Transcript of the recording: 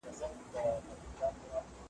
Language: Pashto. د پردیو خلوتونو په تیارو کي به ښخیږي `